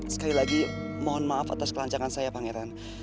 sekali lagi mohon maaf atas kelancaran saya pangeran